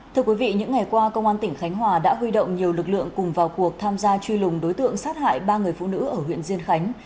thưa quý vị những ngày qua công an tỉnh khánh hòa đã huy động nhiều lực lượng cùng vào cuộc tham gia truy lùng đối tượng sát hại ba người phụ nữ ở huyện diên khánh